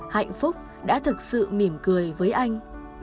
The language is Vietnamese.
hạnh phúc đã thực sự mỉm cười với anh